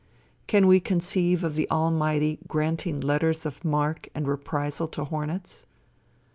Can we conceive of the Almighty granting letters of marque and reprisal to hornets?